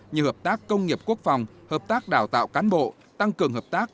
như hợp tác công nghiệp quốc phòng hợp tác đào tạo cán bộ tăng cường hợp tác